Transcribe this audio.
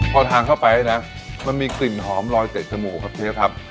พอทางเข้าไปนะมันมีกลิ่นหอมรอยเกล็ดจมูกข้าวเทียบครับ